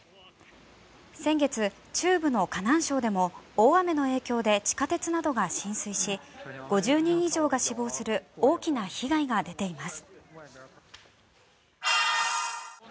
先月、中部の河南省でも大雨の影響で地下鉄などが浸水し５０人以上が死亡する大きな被害が出ています。